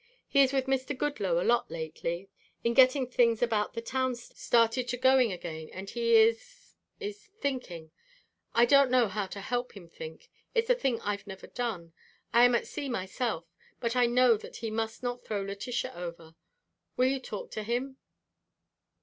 He is with Mr. Goodloe a lot lately in getting things about the town started to going again and he is is thinking. I don't know how to help him think; it's a thing I've never done. I am at sea myself but I know that he must not throw Letitia over. Will you talk to him?"